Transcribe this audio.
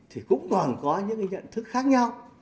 thì cũng còn có những nhận thức khác nhau